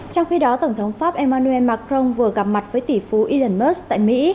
trong khi đó tổng thống pháp emmanuel macron vừa gặp mặt với tỷ phú eon musk tại mỹ